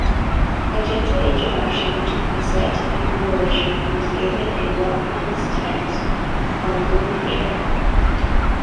A gentle introduction to coset enumeration is given in Rotman's text on group theory.